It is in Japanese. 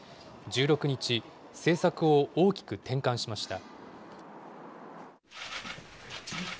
１６日、政策を大きく転換しました。